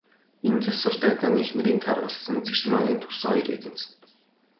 Энэ завсар, Дагданы эхнэрийн таргалсан, Цэрмаагийн турсан хоёр яг тэнцэнэ.